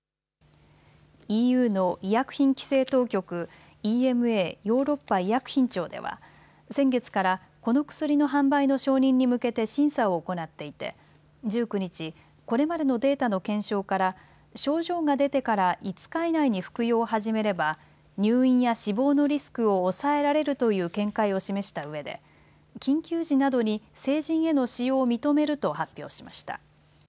ＥＵの医薬品規制当局、ＥＭＡ・ヨーロッパ医薬品庁では先月からこの薬の販売の承認に向けて審査を行っていて１９日、これまでのデータの検証から症状が出てから５日以内に服用を始めれば入院や死亡のリスクを抑えられるという見解を示したうえで緊急時などに成人への使用を認めると発表しました。